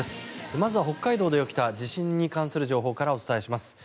まずは北海道で起きた地震に関する情報からお伝えします。